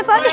eh pak d